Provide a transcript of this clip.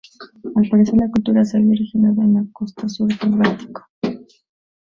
Al parecer, la cultura se habría originado en la costa sur del Báltico.